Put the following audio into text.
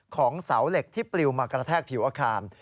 ของเสาเหล็กที่ปลิวมากระแทกผิวอาคาร